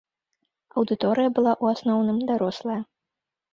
Аўдыторыя была ў асноўным дарослая.